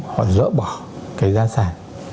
họ dỡ bỏ cái giá sàn